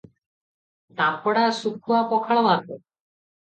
ତାମ୍ପଡ଼ା ଶୁଖୁଆ ପଖାଳ ଭାତ ।।